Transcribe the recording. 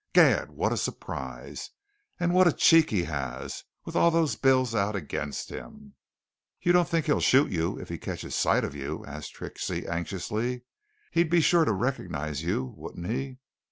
Gad! what a surprise! And what a cheek he has with all those bills out against him!" "You don't think he'll shoot you if he catches sight of you?" asked Trixie, anxiously. "He'd be sure to recognize you, wouldn't he?"